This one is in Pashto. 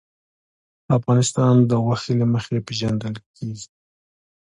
افغانستان د غوښې له مخې پېژندل کېږي.